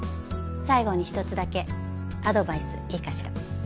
最後に一つだけアドバイスいいかしら？